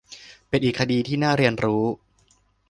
เป็นอีกคดีที่น่าเรียนรู้